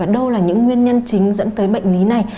đâu là những nguyên nhân chính dẫn tới bệnh lý này